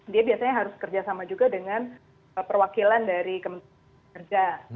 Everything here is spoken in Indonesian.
dia biasanya harus kerjasama juga dengan perwakilan dari kementerian kerja